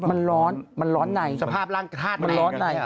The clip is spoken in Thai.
มันร้อนในสภาพร่างธาตุใน